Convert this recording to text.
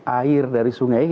air dari sungai